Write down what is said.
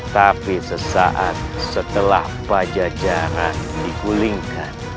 tapi sesaat setelah pajacaran dikulingkan